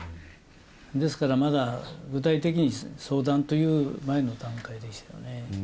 ですから、まだ具体的に相談という前の段階でしたね。